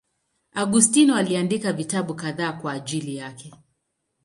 Augustino aliandika vitabu kadhaa kwa ajili yake.